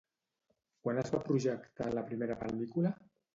Quan es va projectar la primera pel·lícula?